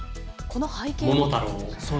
この背景も？